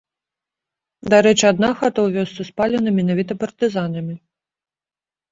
Дарэчы адна хата ў вёсцы спалена менавіта партызанамі.